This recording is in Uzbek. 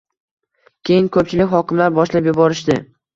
keyin ko‘pchilik hokimlar boshlab yuborishdi.